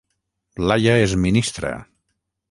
Laia és ministra